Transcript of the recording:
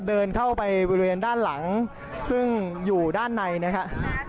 เดินเข้าไปบริเวณด้านหลังซึ่งอยู่ด้านในนะครับ